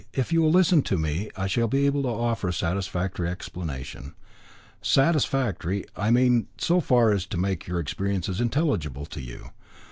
If you will listen to me I shall be able to offer a satisfactory explanation. Satisfactory, I mean, so far as to make your experiences intelligible to you.